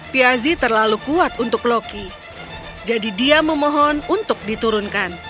tiazi terlalu kuat untuk loki jadi dia memohon untuk diturunkan